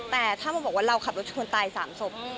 แต่ถ้ามาบอกว่าเราขับรถชนตาย๓ศพ